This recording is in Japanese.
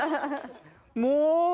もう！